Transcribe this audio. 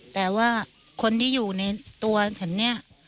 แต่ว่าคนที่อยู่ในตัวฉันเนี่ย